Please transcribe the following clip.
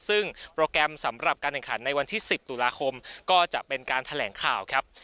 ซึ่งโปรแกรมสำหรับการแข่งขันในวันที่๑๐ตุลาคมก็จะเป็นการแถลงข่าวครับ